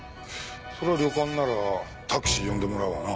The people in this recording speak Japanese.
そりゃ旅館ならタクシー呼んでもらうわな。